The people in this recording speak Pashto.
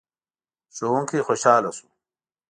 ښوونکی خوشحال شو.